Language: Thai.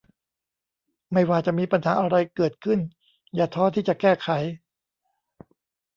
ไม่ว่าจะมีปัญหาอะไรเกิดขึ้นอย่าท้อที่จะแก้ไข